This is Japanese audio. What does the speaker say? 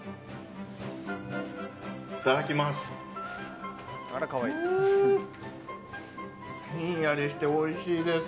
いただきます。